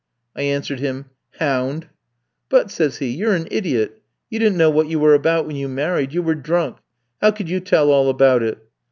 "I answered him, 'Hound!' "'But,' says he, 'you're an idiot! You didn't know what you were about when you married you were drunk. How could you tell all about it?'